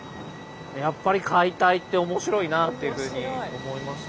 やっぱり解体って面白いなっていうふうに思いました。